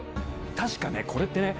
確かねこれって。